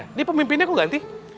ini pemimpinnya kok ganti